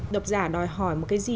đọc giả đòi hỏi một cái gì